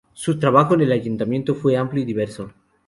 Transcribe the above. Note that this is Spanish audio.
Su trabajo en el ayuntamiento fue amplio y diverso.